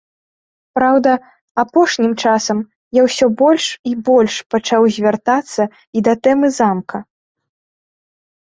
Праўда, апошнім часам я ўсё больш і больш пачаў звяртацца і да тэмы замка.